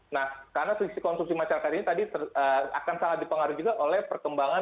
nah karena selisih konsumsi masyarakat ini tadi akan sangat dipengaruhi juga oleh perkembangan